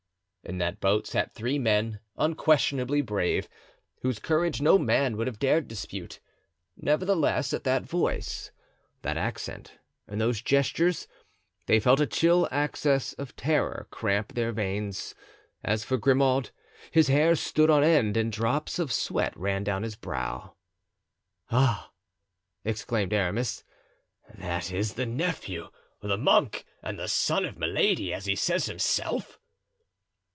In that boat sat three men, unquestionably brave, whose courage no man would have dared dispute; nevertheless, at that voice, that accent and those gestures, they felt a chill access of terror cramp their veins. As for Grimaud, his hair stood on end and drops of sweat ran down his brow. "Ah!" exclaimed Aramis, "that is the nephew, the monk, and the son of Milady, as he says himself."